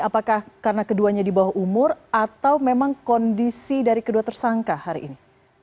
apakah karena keduanya di bawah umur atau memang kondisi dari kedua tersangka hari ini